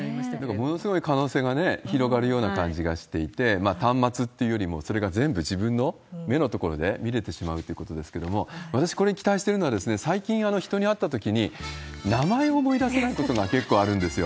でも、ものすごい可能性が広がるような感じがしていて、端末っていうよりも、それが全部自分の目のところで見れてしまうということですけれども、私、これに期待してるのは、最近、人に会ったときに、名前を思い出せないことが結構あるんですよ。